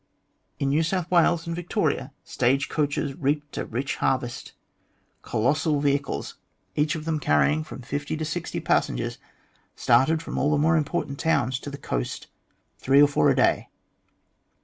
In New South Wales and Victoria stage coaches reaped a rich harvest. Colossal vehicles, each of them carrying from fifty to sixty passengers, started from all the more important towns to the coast, three or four a day.